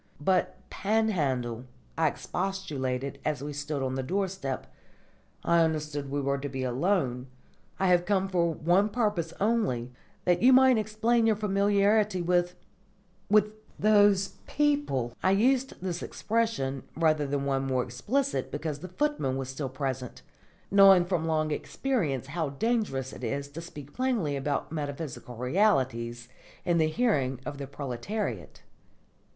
"But, Panhandle," I expostulated as we stood on the doorstep, "I understood we were to be alone. I have come for one purpose only, that you might explain your familiarity with with those people." I used this expression, rather than one more explicit, because the footman was still present, knowing from long experience how dangerous it is to speak plainly about metaphysical realities in the hearing of the proletariat.